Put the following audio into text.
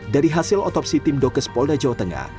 dari hasil otopsi tim dokes polda jawa tengah